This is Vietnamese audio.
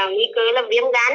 nguy cơ là viêm gán